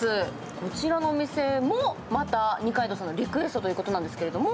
こちらのお店もまた二階堂さんのリクエストということですけれども。